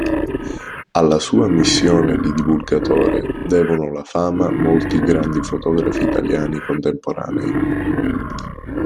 Alla sua missione di divulgatore devono la fama molti grandi fotografi italiani contemporanei.